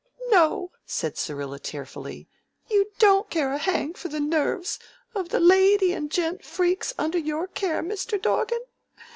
"No," said Syrilla tearfully, "you don't care a hang for the nerves of the lady and gent freaks under your care, Mr. Dorgan.